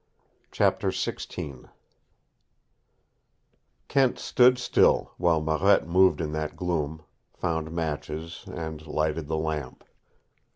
CHAPTER XVI Kent stood still while Marette moved in that gloom, found matches, and lighted the lamp.